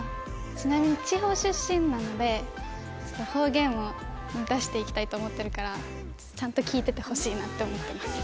ちなみに地方出身なんで方言を出していきたいと思ってるからちゃんと聞いててほしいなって思ってます。